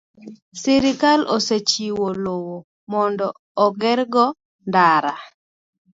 sirkal osechiwo lowo mondo ogergo ndara.